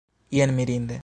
Jen mirinde!